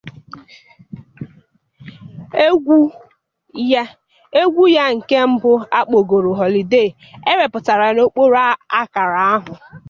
Egwu ya nke mbụ akpọrọ "Holiday", ewepụtara ya n'okpuru akara ahụ.